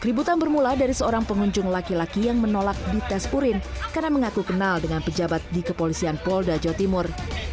keributan bermula dari seorang pengunjung laki laki yang menolak di tes purin karena mengaku kenal dengan pejabat di kepolisian polda jotimur